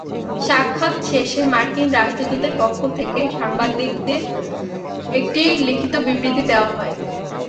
সাক্ষাত্ শেষে মার্কিন রাষ্ট্রদূতের পক্ষ থেকে সাংবাদিকদের একটি লিখিত বিবৃতি দেওয়া হয়।